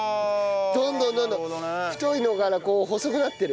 どんどんどんどん太いのから細くなってる。